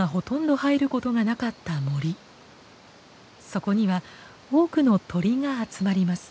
そこには多くの鳥が集まります。